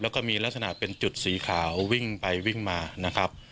แล้วก็มีลักษณะเป็นจุดสีขาววิ่งไปวิ่งมานะครับ